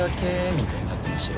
みたいになってましたよ。